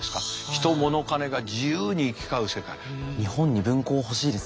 人物金が自由に行き交う世界。